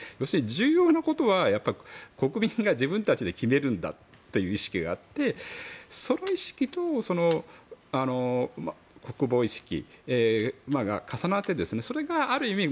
重要なことは国民が自分たちで決めるんだという意識があってその意識と国防意識が重なって、それがある意味